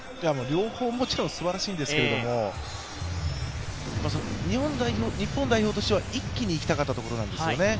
両方もちろんすばらしいんですけど、日本代表としては一気にいきたかったところなんですよね。